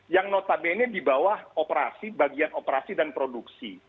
yang notabene di bawah operasi bagian operasi dan produksi